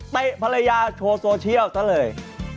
ภรรยาโชว์โซเชียลซะเลย